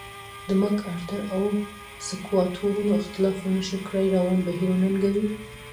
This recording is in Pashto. د مک ارتر او سکواټورانو اختلاف ونشو کړای روان بهیر وننګوي.